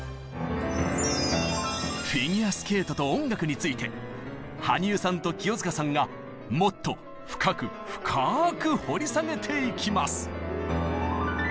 「フィギュアスケートと音楽」について羽生さんと清塚さんがもっと深く深く掘り下げていきます！